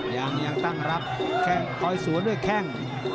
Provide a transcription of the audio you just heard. ยังตั้งรับแข้งคอยสวนด้วยแข้ง